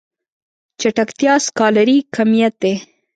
چټکتيا سکالري کميت دی.